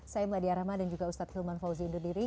saya mladia rahman dan juga ustadz hilman fauzi indodiri